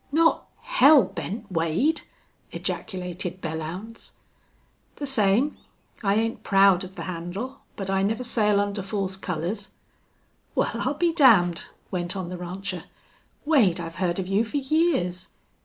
"Not Hell Bent Wade!" ejaculated Belllounds. "The same.... I ain't proud of the handle, but I never sail under false colors." "Wal, I'll be damned!" went on the rancher. "Wade, I've heerd of you fer years.